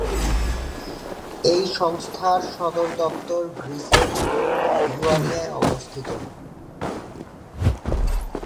এই সংস্থার সদর দপ্তর গ্রিসের ইওয়ানিয়ায় অবস্থিত।